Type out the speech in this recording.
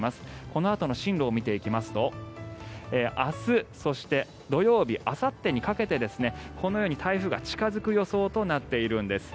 このあとの進路を見ていきますと明日、そして土曜日あさってにかけてこのように台風が近付く予想となっているんです。